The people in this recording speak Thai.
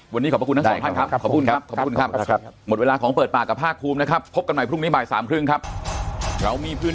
วันนี้ขอบพระคุณทางสาธารณ์ครับขอบคุณครับ